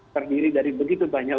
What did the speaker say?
terdiri dari begitu banyak